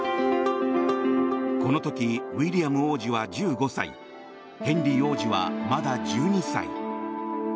この時、ウィリアム王子は１５歳ヘンリー王子は、まだ１２歳。